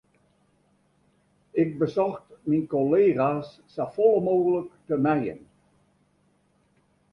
Ik besocht myn kollega's safolle mooglik te mijen.